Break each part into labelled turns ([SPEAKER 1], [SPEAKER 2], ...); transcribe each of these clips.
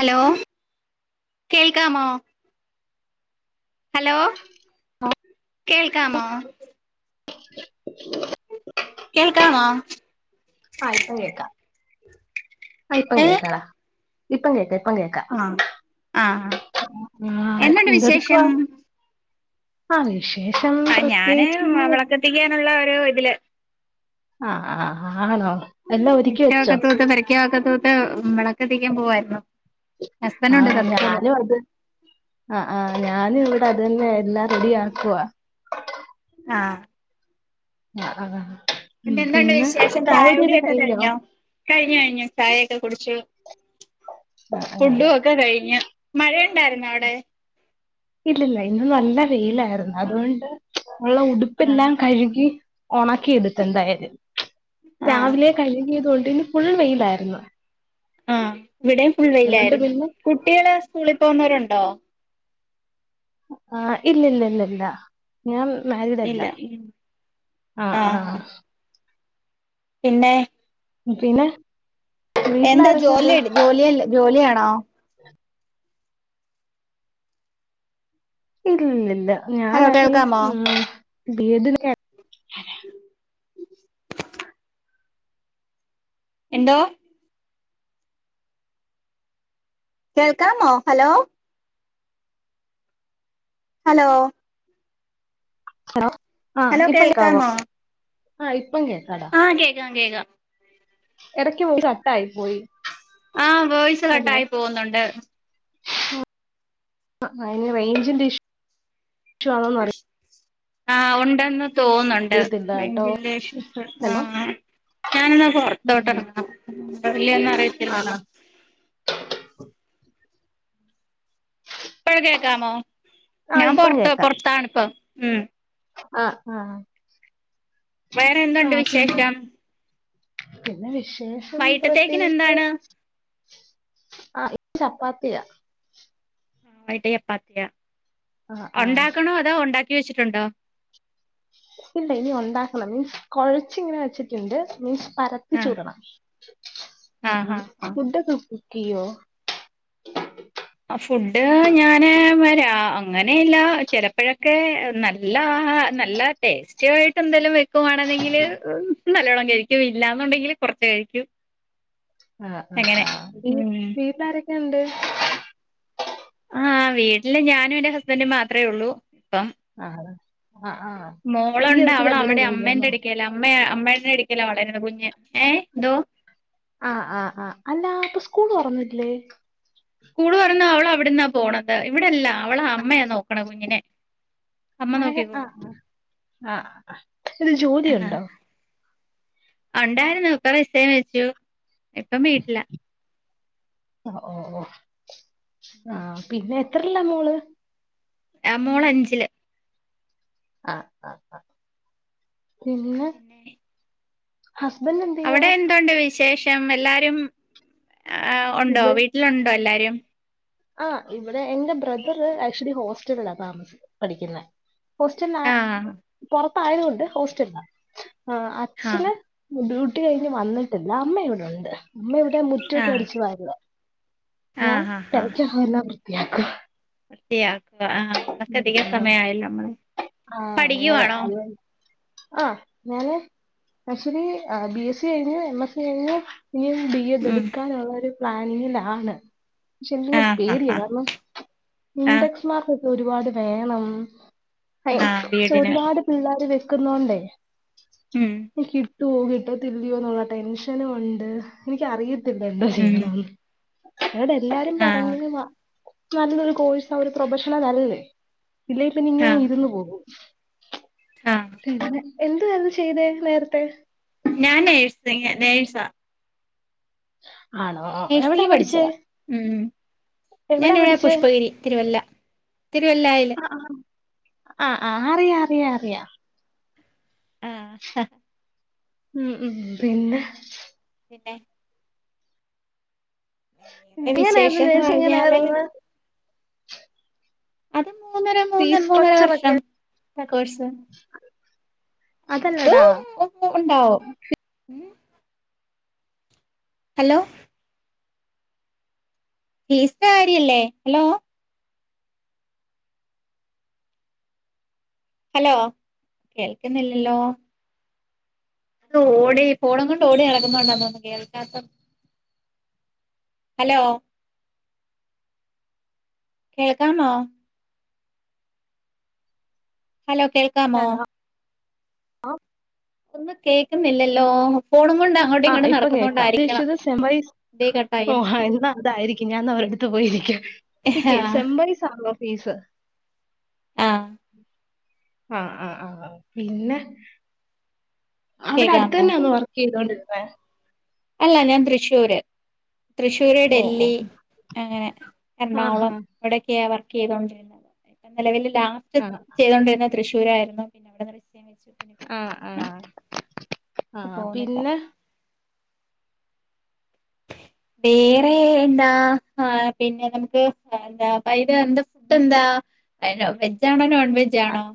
[SPEAKER 1] Hello കേൾക്കാമോ hello കേൾക്കാമോ?
[SPEAKER 2] [unintelligible]
[SPEAKER 1] കേൾക്കാമോ
[SPEAKER 2] ആ ഇപ്പം കേക്കാം ആ ഇപ്പം കേക്കാടാ ഇപ്പൊ കേൾക്ക
[SPEAKER 1] ആഹ് ആഹ് എന്തുണ്ട് വിശേഷം?
[SPEAKER 2] ആ
[SPEAKER 1] ആ ഞാന് വിളക്കത്തിക്കാനുള്ള ഒരു ഇതില്
[SPEAKER 2] ആഹ് ആഹ് ആഹ്
[SPEAKER 1] മിറ്റം ഒക്ക തൂത്ത് പെരക്കകക്കെ തൂത്ത് വിളക്കത്തിക്കാൻ പോവായിരി ആ
[SPEAKER 2] ആഹ ഞാനും അത് ആ ഞാനും ഇവിടെ അതെനെ എല്ലാം റെഡി ആക്കുവാ
[SPEAKER 1] ആ
[SPEAKER 2] ആഹ് ആ കഴിഞ്ഞോ
[SPEAKER 1] [unintelligible]
[SPEAKER 2] ആഹ്
[SPEAKER 1] ഫുഡും
[SPEAKER 2] ആഹ്
[SPEAKER 1] ഒക്കാ കഴിഞ്ഞു. മഴേണ്ടായിരുന്നോ അവടെ?
[SPEAKER 2] ഇല്ലല്ല ഇന്ന് നല്ല വെയിലായിരുന്നു. അതോണ്ട് ഉള്ള
[SPEAKER 1] ആ
[SPEAKER 2] ഉടുപ്പെല്ലാം കഴുകി ഒണക്കിയെടുത്ത് എന്തായാലും
[SPEAKER 1] ആ
[SPEAKER 2] രാവിലേ കഴുകിയത് കൊണ്ട് ഫുൾ വെയിലായിരുന്നു.
[SPEAKER 1] ആ ഇവിടെയും ഫുൾ വെയില്
[SPEAKER 2] അതുകൊണ്ട്
[SPEAKER 1] ആരുന്നു.
[SPEAKER 2] പിന്നെ
[SPEAKER 1] കുട്ടികള് സ്കൂളി പോകുന്നവരുണ്ടോ?
[SPEAKER 2] ആ ഇല്ലില്ല ഇല്ലില്ല ഇല്ലില്ല ഇല്ല ഞാമ് മാരീഡ് അല്ല.
[SPEAKER 1] ഇല്ല
[SPEAKER 2] ആ ആ
[SPEAKER 1] പിന്നേ
[SPEAKER 2] പിന്നേ
[SPEAKER 1] എന്താ? ജോലിയേട് ജോലിയല്ല ജോലിയാണ് ആ
[SPEAKER 2] എങ്കിലും ഇല്ലല്ല ഞാൻ
[SPEAKER 1] ഹലോ
[SPEAKER 2] അറിയും.
[SPEAKER 1] കേൾക്കാമോ
[SPEAKER 2] ഊം വേദനയാ
[SPEAKER 1] എന്തോ? കേൾക്കാമോ? ഹലോ ഹലോ
[SPEAKER 2] ഹലോ
[SPEAKER 1] ഹലോ കേൾക്കാമോ?
[SPEAKER 2] ആ ഇപ്പം കേക്കാടാ
[SPEAKER 1] ക്കാം കേക
[SPEAKER 2] എടക്ക് വോയിസട്ടായിപോയി.
[SPEAKER 1] ആ വോയിസ്‌ കട്ടായി പോകുന്നുണ്ട്.
[SPEAKER 2] അയ്ന് റേയ്ഞ്ചിന്റെ ഇഷ് ക്ഷവാണോന്ന്റി [unintelligible]
[SPEAKER 1] ആ ഉണ്ടെന്ന്
[SPEAKER 2] കേട്ടോ ഹലോ ഉം
[SPEAKER 1] [unintelligible] ഇല്ലെന്ന്
[SPEAKER 2] ആഹ്
[SPEAKER 1] അറയിത്തില്ലല്ലോ
[SPEAKER 2] ആഹ്
[SPEAKER 1] ഇപ്പഴ് കേക്കാമോ?
[SPEAKER 2] ആഹ്
[SPEAKER 1] ഞാൻ
[SPEAKER 2] ഇപ്പം
[SPEAKER 1] പൊറത്ത്
[SPEAKER 2] കേക്കാം
[SPEAKER 1] പൊറത്താണിപ്പോ ഉം
[SPEAKER 2] ആഹ് ആഹ്
[SPEAKER 1] വേറെ എന്തുണ്ട്
[SPEAKER 2] ആഹ് പിന്നെ
[SPEAKER 1] വിശേഷം
[SPEAKER 2] പിന്നെ വിഷം [unintelligible] വിശേഷം
[SPEAKER 1] വൈകിട്ടത്തേക്കിന്
[SPEAKER 2] പ്രത്യേകിച്ച്
[SPEAKER 1] എന്താണ്
[SPEAKER 2] ആ ഇപ്പൊ ചപ്പാത്തി ഇല്ല
[SPEAKER 1] ആ വൈകിട്ട് ചപ്പാത്തിയ
[SPEAKER 2] ആഹ് ആഹ്
[SPEAKER 1] ഉണ്ടാക്കണോ അതോ ഉണ്ടാക്കി ഉണ്ടാക്കി വെച്ചിട്ടുണ്ടോ
[SPEAKER 2] ഇല്ല ഇനി ഉണ്ടാക്കണം മീൻസ് കുഴച്ച് ഇങ്ങനെ വെച്ചിട്ടുണ്ട് മീൻസ് പരത്തി
[SPEAKER 1] ആഹ്
[SPEAKER 2] ചൂടണം
[SPEAKER 1] ആഹ്
[SPEAKER 2] ഉം
[SPEAKER 1] ആഹ് ആഹ്
[SPEAKER 2] ഫുഡൊക്കെ [unintelligible]
[SPEAKER 1] ഫുഡ്‌ ഞാന് വരാം അങ്ങനെയല്ല ചിലപ്പോഴൊക്കെ നല്ല നല്ല ടേസ്റ്റി ആയിട്ട് എന്തെലും [unintelligible] നല്ലവോണം കഴിക്കും ഇല്ലന്നുണ്ടെങ്കിൽ കുറച്ച് കഴിക്കും
[SPEAKER 2] ആ ആ ആ
[SPEAKER 1] അങ്ങനെ ഉം
[SPEAKER 2] വീട്ടിലാരൊക്ക ആരൊക്ക ഉണ്ട്.
[SPEAKER 1] ആഹ് വീട് ഇല്ല ഞാനും എന്റെ ഹസ്ബൻഡും മാത്രമേ ഉള്ളൂ ഇപ്പം
[SPEAKER 2] ആ
[SPEAKER 1] മോളുണ്ട് അവൾ അവിടെ
[SPEAKER 2] കഴിഞ്ഞാന്നോ
[SPEAKER 1] അമ്മേന്റെ എടുക്കെലാ അമ്മ അമ്മയുടെ എടുക്കല വളരുന്ന കുഞ്ഞ് ഏ എന്തോ..
[SPEAKER 2] ആഹ് ആഹ് ആഹ് അല്ല അപ്പൊ സ്കൂൾ തുറന്നിട്ടില്ലേ
[SPEAKER 1] സ്കൂൾ തുറന്നു അവളാവിടെന്നാ പോണത് ഇവിടല്ല അവളെ അമ്മയ നോക്കണെ കുഞ്ഞിനെ അമ്മ
[SPEAKER 2] ആഹ്
[SPEAKER 1] നോക്കിക്കോളൂ
[SPEAKER 2] ആഹ് ആഹ് ഇത്
[SPEAKER 1] ആഹ്
[SPEAKER 2] ജോലിയുണ്ടോ
[SPEAKER 1] ഉണ്ടായിരുന്നു ഇപ്പൊ റിസൈൻ വെച്ചു ഇപ്പം വീട്ടില
[SPEAKER 2] ആഹ്‌ ഓ ഓ ആഹ്‌ പിന്നെ എത്രയില മോൾ
[SPEAKER 1] ആഹ് മോൾ അഞ്ചില്
[SPEAKER 2] ആഹ് ആ ആ പിന്നെ ഹസ്ബൻഡ് എന്ത് ചെയ്യുവാ
[SPEAKER 1] അവിടെ എന്തുണ്ട് വിശേഷ ഷം എല്ലാരും ആ ഉണ്ടോ വീട്ടിലുണ്ടോ എല്ലാരും? ഉം
[SPEAKER 2] ആ ഇവിടെ എന്റെ ബ്രദർ ആക്ച്വലി ഹോ സ്റ്റലിലാ താമസിച്ചു പഠിക്കുന്നെ ഹോസ്റ്റലാ
[SPEAKER 1] ആഹ്
[SPEAKER 2] പുറത് ആയതൊണ്ട് ഹോസ്റ്റലില ആ
[SPEAKER 1] ആഹ്
[SPEAKER 2] അച്ഛന് ഡ്യൂ ട്ടി കഴിഞ്ഞ് വന്നിട്ടില്ല അമ്മ ഇവിടെ ഉണ്ട് അമ്മ ഇവിടെ മുറ്റൊക്കെ
[SPEAKER 1] ആഹ്
[SPEAKER 2] അടിച്ചു വാരുവാ ഞാൻ
[SPEAKER 1] ആഹ്
[SPEAKER 2] പേരക്കഹമെല്ലാം വൃ വൃത്തിയാക്കുവാ
[SPEAKER 1] അതെയ
[SPEAKER 2] ആഹ്‌ അങ്ങനെ
[SPEAKER 1] പഠിക്കുവാണോ
[SPEAKER 2] ആഹ്‌ ഞാൻ ആക്ച്വലി ബി എസ് സി കഴിഞ് എം എസ് സി കഴിഞ്ഞു ഇനിയും ബി എഡ്
[SPEAKER 1] ഉം
[SPEAKER 2] എടുക്കാനൊള്ളൊരു പ്ലാനിങ്ങിലാണ് പക്ഷെ
[SPEAKER 1] ആഹ്
[SPEAKER 2] പേടിയ
[SPEAKER 1] ആഹ് ആഹ്
[SPEAKER 2] കാരണം ഇൻഡെക്സ് മാർക് ഒരുപാട് വേണം
[SPEAKER 1] ആഹ് ആഹ് ബി
[SPEAKER 2] ക്ഷേ
[SPEAKER 1] എഡിന്
[SPEAKER 2] ഒരുപാട് പിള്ളേർ വരു നിക്കുന്നോണ്ടേ
[SPEAKER 1] ഉം
[SPEAKER 2] കിട്ട് ട്ടോ കിട്ടത്തില്ലിയോ എന്നുള്ള ടെൻഷനും ഉണ്ട് എനിക്കറിയത്ത ത്തില്ല എന്താ
[SPEAKER 1] ഉം
[SPEAKER 2] ചെയ്യണന്ന്. ഞങ്ങടെ എല്ലാരും
[SPEAKER 1] ആഹ്
[SPEAKER 2] പറഞ്ഞുതുവാ നല്ലൊരു കോഴ്സ ഒരു പ്രൊഫഷ നല്ലതല്ലേ ഇല്ലേ പിന്നെ ഇങ്ങനെ
[SPEAKER 1] ആഹ്
[SPEAKER 2] ഇരുന്നു പോകും.
[SPEAKER 1] ആഹ്
[SPEAKER 2] അങ്ങനെ എന്തുവായിരുന്നു ചെയ്തെ നേരത്തെ?
[SPEAKER 1] ഞാൻ നേഴ്സിങ് നേഴ്സ
[SPEAKER 2] ആണോ എവിടാ
[SPEAKER 1] നഴ്സിംഗ്
[SPEAKER 2] പഠിച്ചേ
[SPEAKER 1] പഠിച്ചത് ഉം
[SPEAKER 2] എവിടാ
[SPEAKER 1] ഞാനിവിടെ
[SPEAKER 2] പഠിച്ചേ
[SPEAKER 1] പുഷ്പഗിരി തിരുവല്ല തിരുവല്ലായില്.
[SPEAKER 2] ആഹ് ആഹ് അറിയാ അറിയാ അറിയാ
[SPEAKER 1] ആഹ്
[SPEAKER 2] ഉം ഉം പിന്നെ
[SPEAKER 1] പിന്നെ വേറെ
[SPEAKER 2] ഇന്ത്യെലായിരുന്നു
[SPEAKER 1] വിശേഷംന്ന് പറഞ്ഞാല്
[SPEAKER 2] നേഴ്സിങ്ങിലായിരുന്നോ.
[SPEAKER 1] ഒരു മൂന്നര മൂന്ന്
[SPEAKER 2] ഫീസ്
[SPEAKER 1] മൂന്നര
[SPEAKER 2] സ്ട്രക്ചർ ഒക്കെ
[SPEAKER 1] വർഷം. കോഴ്സ് അത്
[SPEAKER 2] അതല്ലടാ
[SPEAKER 1] ഉണ്ടാവും ഉം ഹലോ ഫീസിന്റെ കാര്യല്ലേ ഹലോ ഹലോ കേൾക്കുന്നില്ലല്ലോ. അതോടി ഫോണും കൊണ്ട് ഓടി നടക്കുന്നത് കൊണ്ടാണെന്ന് തോന്നുന്നു കേൾക്കാത്തത്. ഹലോ കേൾക്കാമോ. ഹലോ കേൾക്കാമോ
[SPEAKER 2] ഹലോ
[SPEAKER 1] ഒന്നും കേക്കുന്നില്ലല്ലോ
[SPEAKER 2] ആ ഇപ്പം കേൾക്കാം ചോയിച്ചത്
[SPEAKER 1] ഇതേ കട്ടായി
[SPEAKER 2] [unintelligible] ന്തായിരിക്കും ഞാൻ ന്നാ ഒരിടത്ത് പോയിരിക്കാ നിൽക്ക്
[SPEAKER 1] ആഹ്
[SPEAKER 2] സെമ് ബയ്സ് ആണല്ലോ ഫീസ്.
[SPEAKER 1] ആഹ്
[SPEAKER 2] ആഹ് ആഹ് ആഹ് പിന്നെ. അവിടെ അടുത്ത
[SPEAKER 1] കേക്കാമോ
[SPEAKER 2] തന്നെയാന്നോ വർക്ക് ചെയ്തോണ്ടിരുന്നേ [unintelligible]
[SPEAKER 1] അല്ല ഞാൻ തൃശ്ശൂര് തൃശ്ശൂര്
[SPEAKER 2] ഓ ഓ
[SPEAKER 1] ഡല്ലി അങ്ങനെ
[SPEAKER 2] ആഹാ
[SPEAKER 1] എറണാകുളം അവിടെയൊക്കെയാ വർ ക്ക് ചെയ്തോണ്ടിരുന്നത് നിലവിൽ. ലാസ്റ്റ്
[SPEAKER 2] ആ
[SPEAKER 1] ചെയ്തുകൊണ്ടിരുന്ന തൃശൂരായിരുന്നു പിന്നെ അവിടെ [unintelligible] [unintelligible] കയിച്ചു പിന്നെ ഇപ്പം
[SPEAKER 2] ആ ആ
[SPEAKER 1] വീട്ടിലാണ്
[SPEAKER 2] ആ
[SPEAKER 1] ഇപ്പോ പോണില്ല
[SPEAKER 2] പിന്നെ
[SPEAKER 1] വേറെ എന്താ ആഹ് പിന്നെ നമുക്ക് എന്താ അതായത് എന്താ ഫുഡ് എന്താ വെജആണോ നോൺ
[SPEAKER 2] അ-
[SPEAKER 1] വെജാണോ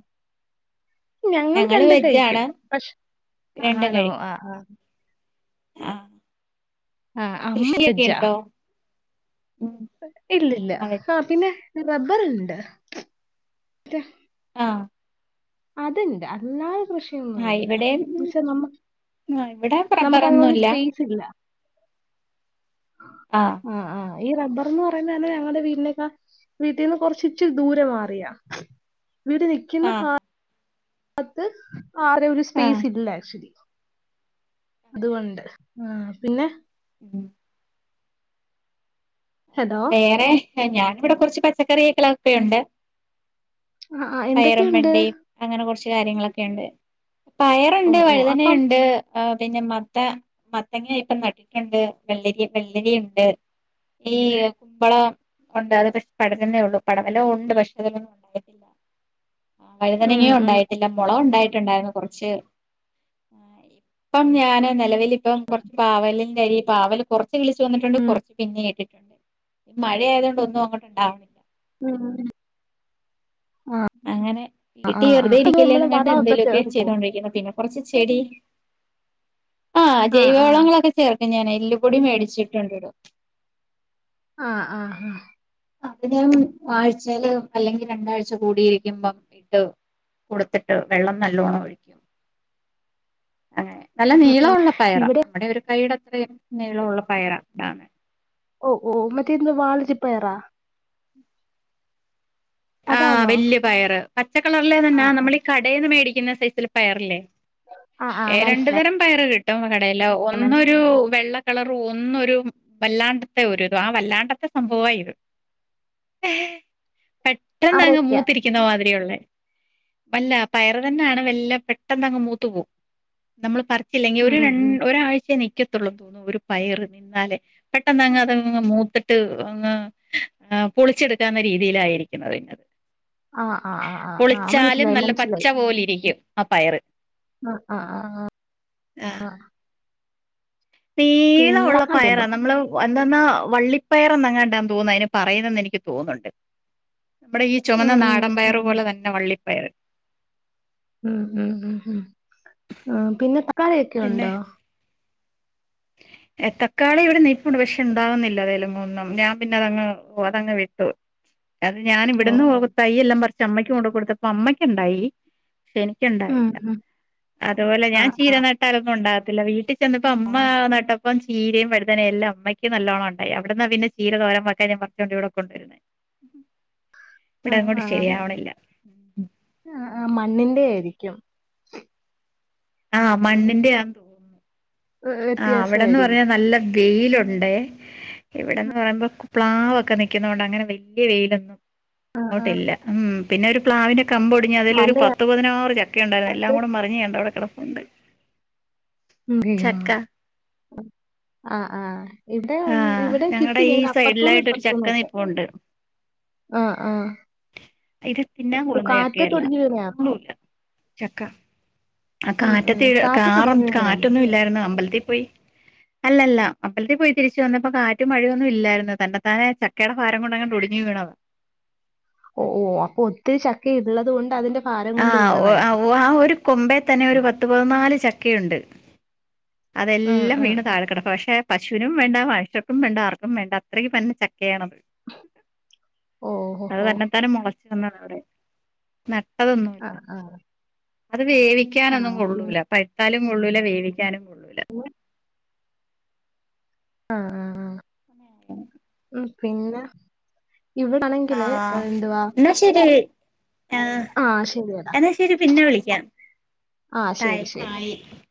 [SPEAKER 2] ഞങ്ങൾ
[SPEAKER 1] ഞങ്ങള്
[SPEAKER 2] കണ്ടിട്ട് കഴിക്കും
[SPEAKER 1] വെജാണ്
[SPEAKER 2] പക്ഷെ
[SPEAKER 1] രണ്ടും
[SPEAKER 2] ആണോ
[SPEAKER 1] കഴിക്കും
[SPEAKER 2] ആഹ്ആഹ്
[SPEAKER 1] ആഹ് കൃഷിയൊക്കെ ഉണ്ടോ ഉം ആഹ്
[SPEAKER 2] ഇല്ലല്ല
[SPEAKER 1] അമ്മ വെച്ച
[SPEAKER 2] അഹ് പിന്നെ റബ്ബറ്ണ്ട്
[SPEAKER 1] അഹ്
[SPEAKER 2] അതിണ്ട് അല്ലാ
[SPEAKER 1] ആഹ്
[SPEAKER 2] കൃഷിയൊന്നുല്ല
[SPEAKER 1] ഇവിടെയും
[SPEAKER 2] പക്ഷെ നമ്മക്ക്
[SPEAKER 1] ആഹ് ഇവിടെ
[SPEAKER 2] നമുക്കങ്ങനെ ഒരു
[SPEAKER 1] റബ്ബറൊന്നുല്ല
[SPEAKER 2] സ്പേയ്സ് ഇല്ല
[SPEAKER 1] ആഹ്
[SPEAKER 2] ആ ആ ഈ റബ്ബർ എന്ന് പറയുന്നേനെ ഞങ്ങളടെ വീട്ടിനേക്കാ വീട്ടിന്ന് കൊറച്ച് ഇച്ചി ദൂരെ മാറിയാ വീട് നിക്കുന്ന
[SPEAKER 1] ആഹ്
[SPEAKER 2] ഫാ പത്ത് ആ ഒരു ഒരു സ്പേസ്
[SPEAKER 1] ആഹ്
[SPEAKER 2] ഇല്ല ആക്ച്വലി അതുകൊണ്ട് ആ പിന്നെ
[SPEAKER 1] ഉം
[SPEAKER 2] ഹലോ
[SPEAKER 1] വേറെ എ ഞാനിവിടെ കുറച്ച് പച്ചക്കറിക്കളക്കെയുണ്ട്
[SPEAKER 2] ആ ആ എന്തൊക്കെയുണ്ട്
[SPEAKER 1] കാര്യങ്ങളൊക്കെ ഉണ്ട്
[SPEAKER 2] ഓ
[SPEAKER 1] പയറുണ്ട്,
[SPEAKER 2] ഓ അപ്പം
[SPEAKER 1] വഴുതനുണ്ട് അ പിന്നെ മത്ത മത്തങ്ങന ഇപ്പം നട്ടിട്ടുണ്ട് വെള്ളരി വെള്ളരിുണ്ട് ഈ കുമ്പളം ഉണ്ട് അത് പക്ഷെ പടകുന്നേ ഉള്ളൂ പടകലോ ഉണ്ട് പക്ഷെ അതിലൊന്നും [inaudible] ആ
[SPEAKER 2] ഉം
[SPEAKER 1] വഴുതനങ്ങയും
[SPEAKER 2] ഉം
[SPEAKER 1] ഉണ്ടായി പിന്ന മുള ഉണ്ടായി ഉണ്ടായിരുന്നു കുറച് ഇപ്പം ഞാന് നിലവിൽ ഇപ്പം കുറച്ച് പാവല ഇ പാവൽ കുറ വിളിച് വന്നിട്ടുണ്ട് കുറച്ച് പിന്നെ [unintelligible] മഴ ആയതോണ്ട് ഒന്നും അങ്ങോട്ടുണ്ടാ
[SPEAKER 2] ഉം ഉം. ആ
[SPEAKER 1] അങ്ങനെ
[SPEAKER 2] ആ
[SPEAKER 1] വീട്ടി
[SPEAKER 2] ആ
[SPEAKER 1] വെറുതെ
[SPEAKER 2] അത് നമ്മള്
[SPEAKER 1] ഇരിക്കില്ലേന്ന് കണ്ട്
[SPEAKER 2] വളമൊക്കെ
[SPEAKER 1] എന്തേലുമ ഒക്കെ
[SPEAKER 2] ചേർക്കും
[SPEAKER 1] ചെയ്തോണ്ടിരിക്കുന്നു പിന്നെ കൊറച്ച് ചെടി ആ ജൈവളങ്ങളൊക്കെ ചേർ ഞാൻ എല്ലു പൊടി മേടിച്ചിട്ടുണ്ട്
[SPEAKER 2] ആഹ ആ ആ
[SPEAKER 1] അതിന ആഴ്ചൽ അല്ലെങ്കിൽ രണ്ടാഴ്ച കൂടിയിരിക്കുമ്പം ഇട്ട് കൊടുത്തിട്ട് വെള്ളം നല്ലോണം ഒഴിക്കും അ നല്ല നീളഉള്ള പയറ
[SPEAKER 2] ഇവിടെ
[SPEAKER 1] നമ്മുടെ ഒരു കൈയ്യട ഇത്ര നീളമുള്ള പയർ [unintelligible]
[SPEAKER 2] ഓ ഓ മറ്റേ ഇന്ന് വാളരിപ്പയറ
[SPEAKER 1] ആഹ്
[SPEAKER 2] അതാണോ
[SPEAKER 1] വല്യ പയറ് പച്ചക്കളറിലേ
[SPEAKER 2] ആ
[SPEAKER 1] തന്നാ നമ്മൾ ഈ കടയിൽന്ന് മേടിക്ക ക്കുന്ന സൈസില് പയറില്ലേ
[SPEAKER 2] ആ ആ
[SPEAKER 1] ഏ രണ്ടു
[SPEAKER 2] മനസ്സിലായി
[SPEAKER 1] തരം പയറ് കിട്ടും [unintelligible] എല
[SPEAKER 2] മനസ്സിലായി
[SPEAKER 1] ഒന്നൊരു വെള്ള കളർ ഒന്നൊരു വല്ലാണ്ടത്തെ ഒരു ആ വല്ലാണ്ടത്തെ സംഭവമായിത് പെട്ടെന്ന് അങ്ങ്
[SPEAKER 2] അവരൊക്കെയാ
[SPEAKER 1] മൂത്തിരിക്കുന്ന മാതിരിയ ഒള്ളേ. വല്ല പയറ് തന്നാണ്, വല്ല പെട്ടെന്നങ്ങ് മൂത്ത് പോവും, നമ്മള് പറി ച്ചില്ലെങ്കിൽ
[SPEAKER 2] ഉം
[SPEAKER 1] ഒരു
[SPEAKER 2] ഉം
[SPEAKER 1] രണ്
[SPEAKER 2] ഉം.
[SPEAKER 1] ഒരാഴ്ചയെ നിക് നിക്കത്തുള്ളം തോന്നുന്നു ഒരു പയറ് നിന്നാലെ പെട്ടെന്നങ്ങ് അതങ്ങ് മൂത്ത് ട്ട് അങ്ങ് ആ പൊളിച്ചെടുക്കാവുന്ന രീതിയിലായിരി ക്കുന്നത്
[SPEAKER 2] ആ ആ
[SPEAKER 1] [unintelligible]
[SPEAKER 2] ആ ആ ആ
[SPEAKER 1] പൊളിച്ചാലും
[SPEAKER 2] മനസ്സിലായി
[SPEAKER 1] നല്ല പച്ച
[SPEAKER 2] മനസ്സിലായി
[SPEAKER 1] പോലെ ഇരിക്കും. ആ പയറ്
[SPEAKER 2] ആ ആഹ് ആ ആ ആഹ്
[SPEAKER 1] നീളോ ഒള്ള
[SPEAKER 2] തക്കാളി
[SPEAKER 1] പയറാ
[SPEAKER 2] ഉണ്ടോ
[SPEAKER 1] നമ്മള് എന്താെന്നാ വള്ളിപ്പയറെന്നെങ്ങണ്ട തോന്നുന്നു അതിന് പറയുന്നന്ന് എനിക്ക് തോന്നുന്നുണ്ട്. നമ്മുടെ ഈ
[SPEAKER 2] ഉം
[SPEAKER 1] ചൊമന്ന
[SPEAKER 2] ഉം
[SPEAKER 1] നാടൻ
[SPEAKER 2] ഉം
[SPEAKER 1] പയർ പോലെ തന്നെ വള്ളി പയറ്
[SPEAKER 2] മ് മ് മ് മ് ആ പിന്നെ പ കറിയൊക്കെ ഒണ്ടോ?
[SPEAKER 1] എ തക്കാളി ഇവിടെ നിപ്പുണ്ട്, പക്ഷേ ഇണ്ടാവുന്നില്ല അതേലങ്ങും ഒന്നും ഞാൻ പിന്നെ അതങ്ങ് അതങ്ങ് വിട്ടു. അത് ഞാൻ
[SPEAKER 2] ഓ
[SPEAKER 1] ഇവിടുന്ന്
[SPEAKER 2] ഓ
[SPEAKER 1] പോകു തൈ എല്ലാം പറിച് ചമ്മയ്ക്ക് കൊണ്ട് കൊടുത്തപ്പോ അമ്മക്കിണ്ടായി. ക്ഷേ
[SPEAKER 2] ഉം
[SPEAKER 1] എനിക്കുണ്ടായില്ല,
[SPEAKER 2] ഉം
[SPEAKER 1] അതുപോലെ
[SPEAKER 2] ആ
[SPEAKER 1] ഞാൻ ചീര നട്ടാലൊന്നും ഉണ്ടാവത് ത്തില്ല വീട്ടിൽ ചെന്നപ്പോ അമ് ഇപ്പം ചീരയും വഴുതന എല്ലാം അമ്മയ്ക്ക് നല്ലോണം ഉണ്ടായി, അവിടന്നാ പിന്ന ചീര തോരം വക്കാൻ ഞാൻ പറിച്ചോണ്ട് ഇവിടെ കൊണ്ടുവരുന്നെ.
[SPEAKER 2] ആ
[SPEAKER 1] ഇവിടെ അങ്ങോട്ട്
[SPEAKER 2] ആ
[SPEAKER 1] ശരിയാവണില്ല. [unintelligible]
[SPEAKER 2] ആ ആ മണ്ണിന്റെയായിരിക്കും.
[SPEAKER 1] ആ മണ്ണിന്റെയാ തോന്നുന്നു.
[SPEAKER 2] ഏ,
[SPEAKER 1] ആ അവിടെന്ന്
[SPEAKER 2] വ്യത്യാസമായിരിക്കും
[SPEAKER 1] പറയാ നല്ല വെയിലുണ്ടേ, ഇവിടെന്ന് പറയുമ്പോ പ്ലാവൊക്കെ നിക്കുന്ന കൊണ്ട് അങ്ങനെ വെല്യ വെയിലൊന്നും
[SPEAKER 2] ആ ആ.
[SPEAKER 1] അങ്ങോട്ടില്ല ഉം പിന്നെ ഒരു പ്ലാവിനെ കമ്പൊടിഞ്ഞ് അതിലൊരു
[SPEAKER 2] മണ്ണിന്
[SPEAKER 1] പത്തു പതിനാറ് ചക്ക ഒണ്ടായിരുന്നു, എല്ലാം കൂടെ മറിഞ്ഞ് ആണ്ടെ അവിടെ കെട കൊണ്ടോയി.
[SPEAKER 2] [unintelligible] ആ ആഹ് ഇവിടെ വ്
[SPEAKER 1] ആഹ്
[SPEAKER 2] ഇവിടെ കിട്ടി
[SPEAKER 1] ഞങ്ങടെ ഈ
[SPEAKER 2] ഞങ്ങക്ക് അപ്പർത്തൂന്നും
[SPEAKER 1] സൈഡിലായിട്ടൊരു ചക്ക
[SPEAKER 2] ഇപ്പറത്തൂന്നൊക്കെ,
[SPEAKER 1] നിപ്പുണ്ട്
[SPEAKER 2] ആ ആ
[SPEAKER 1] ഇത് തിന്നാൻ കൊള്ളുന്ന ചക്കയല്ല
[SPEAKER 2] കാറ്റത്തൊടിഞ്ഞു വീണയാണോ?
[SPEAKER 1] കൊള്ളൂല ചക്ക ആ
[SPEAKER 2] ഉം ഉം
[SPEAKER 1] കാറ്റത്തി കാറും
[SPEAKER 2] കാറ്റത്തൊടിഞ്ഞു വീണതാണോ?
[SPEAKER 1] കാറ്റൊന്നി ല്ലായിരുന്നു അമ്പലത്തിൽ പോയി അലല്ല അപ്പലത്തിൽ പോയി തിരിച്ച് വന്നപ്പോ കാറ്റും മഴയൊന്നും ഇല്ലായിരുന്നു തന്നെ താനെ ചക്കയുടെ ഭാരം കൊണ്ട് അങ്ങട്ട് ഒടിഞ്ഞു വീണവ
[SPEAKER 2] ഓ ഓ അപ്പൊ ഒത്തിരി ചക്ക ഇള്ളത് കൊണ്ട് അതിന്റെ ഭാരം
[SPEAKER 1] ആ
[SPEAKER 2] കൊണ്ട് വീണതായിരിക്കും.
[SPEAKER 1] [unintelligible] ഒരു കൊമ്പെ തന്നെ ഒരു പത്ത് പതിനാല് ചക്കയുണ്ട്
[SPEAKER 2] ഉം
[SPEAKER 1] അതെല്ലാം
[SPEAKER 2] ഉം
[SPEAKER 1] വീണ്
[SPEAKER 2] ഉം
[SPEAKER 1] താഴെ കിടക്ക പക്ഷെ പശുനും വേണ്ട വായഷർക്കും വേണ്ട ആർക്കും വേണ്ട അത്രയും പന്നെ ച- കേണത്
[SPEAKER 2] ഓഹോ ഹോ
[SPEAKER 1] അത്
[SPEAKER 2] ഹോ
[SPEAKER 1] തന്നെത്താല മൊള [unintelligible]
[SPEAKER 2] അ ആ
[SPEAKER 1] അത്
[SPEAKER 2] ആ
[SPEAKER 1] വേവിക്കാനൊന്നും കൊള്ളൂല പയ് താലും ഉുള്ളൂല വേവിക്കാനും കൊള്ളൂല.
[SPEAKER 2] ആ ആ ആ
[SPEAKER 1] [unintelligible]
[SPEAKER 2] [unintelligible] ഇവിടാണെങ്കില്
[SPEAKER 1] ആഹ്
[SPEAKER 2] എന്തുവാ
[SPEAKER 1] ആ എന്നാ ശരി പിന്നെ വിളിക്കാ
[SPEAKER 2] ആ ശരി ശരി
[SPEAKER 1] [unintelligible]